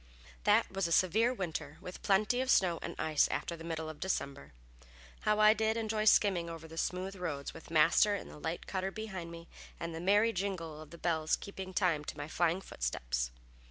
That was a severe winter, with plenty of snow and ice after the middle of December. How I did enjoy skimming over the smooth roads, with Master in the light cutter behind me, and the merry jingle of the bells keeping time to my flying footsteps.